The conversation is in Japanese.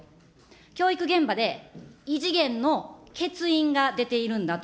教育現場で、異次元の欠員が出ているんだと。